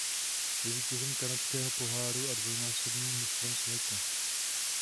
Je vítězem Kanadského poháru a dvojnásobným mistrem světa.